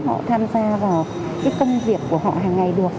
họ tham gia vào cái công việc của họ hàng ngày được